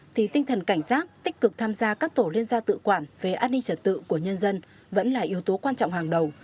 thì tinh thần cảnh giác tích cực tham gia các tổ liên gia tự quản về an ninh trật tự của nhân dân vẫn là yếu tố quan trọng hàng đầu